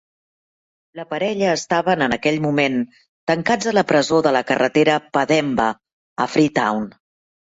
La parella estaven, en aquell moment, tancats a la presó de la carretera Pademba, a Freetown.